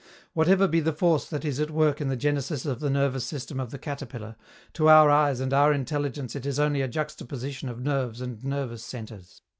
Whatever be the force that is at work in the genesis of the nervous system of the caterpillar, to our eyes and our intelligence it is only a juxtaposition of nerves and nervous centres.